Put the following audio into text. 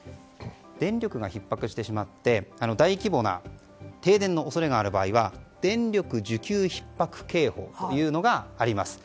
電力がひっ迫してしまって大規模な停電の恐れがある場合は電力需給ひっ迫警報というのがあります。